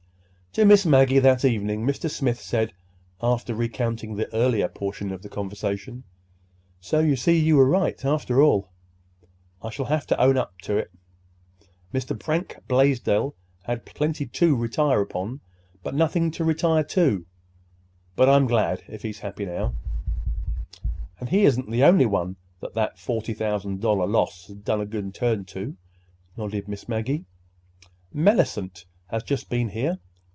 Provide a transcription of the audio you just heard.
To Miss Maggie that evening Mr. Smith said, after recounting the earlier portion of the conversation: "So you see you were right, after all. I shall have to own it up. Mr. Frank Blaisdell had plenty to retire upon, but nothing to retire to. But I'm glad—if he's happy now." "And he isn't the only one that that forty thousand dollar loss has done a good turn to," nodded Miss Maggie. "Mellicent has just been here.